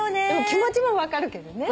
気持ちも分かるけどね。